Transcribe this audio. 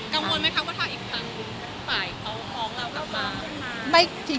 กังวลไหมคะว่าทางอีกทางฝ่ายเขาฟ้องเรากลับมา